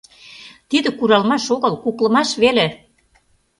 Тиде куралмаш огыл, куклымаш веле!